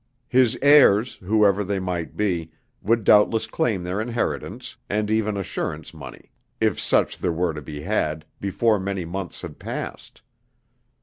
His heirs, whoever they might be, would doubtless claim their inheritance, and even assurance money, if such there were to be had, before many months had passed.